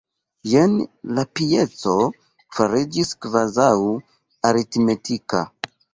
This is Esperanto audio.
Jen la pieco fariĝis kvazaŭ 'aritmetika'.